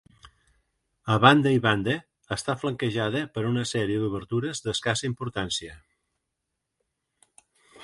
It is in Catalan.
A banda i banda, està flanquejada per una sèrie d’obertures d’escassa importància.